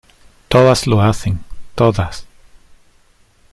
todas lo hacen, todas.